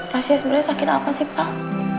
tasya sebenarnya sakit apa sih pak